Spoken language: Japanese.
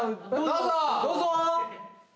どうぞ！